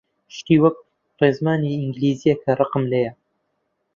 شتی وەک ڕێزمانی ئینگلیزییە کە ڕقم لێیە!